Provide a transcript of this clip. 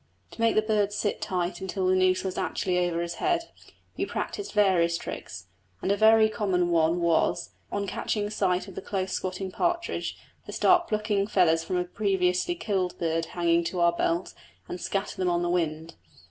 To make the bird sit tight until the noose was actually over his head, we practised various tricks, and a very common one was, on catching sight of the close squatting partridge, to start plucking feathers from a previously killed bird hanging to our belt and scatter them on the wind.